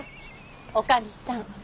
女将さん